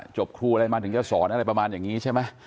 ครูอะไรมาถึงจะสอนอะไรประมาณอย่างนี้ใช่ไหม